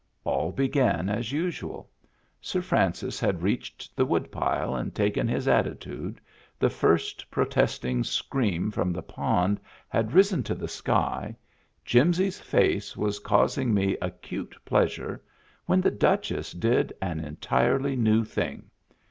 All began as usual. Sir Francis had reached the woodpile and taken his attitude, the first protesting scream from the pond had risen to the sky, Jimsy's face was causing me acute pleasure, when the Duchess did an entirely new thing.